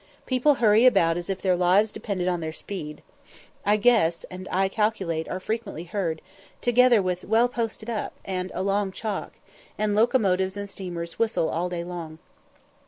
People hurry about as if their lives depended on their speed. "I guess" and "I calculate" are frequently heard, together with "Well posted up," and "A long chalk;" and locomotives and steamers whistle all day long.